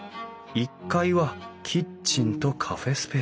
１階はキッチンとカフェスペース。